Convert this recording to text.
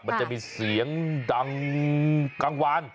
มันจะมีเสียงดังกลางวาน